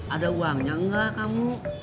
ada uangnya enggak kamu